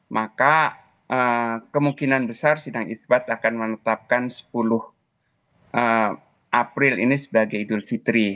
maka kemungkinan besar sidang isbat akan menetapkan sepuluh april ini sebagai idul fitri